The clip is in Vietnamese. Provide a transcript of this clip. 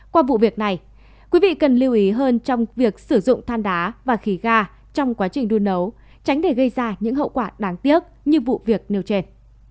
qua vụ việc này quý vị cần lưu ý hơn trong việc sử dụng than đá và khí ga trong quá trình đun nấu tránh để gây ra những hậu quả đáng tiếc như vụ việc nêu trên